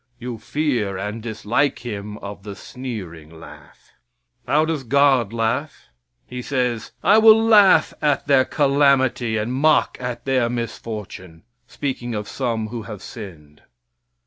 You fear and dislike him of the sneering laugh. How does God laugh? He says, "I will laugh at their calamity and mock at their misfortune," speaking of some who have sinned.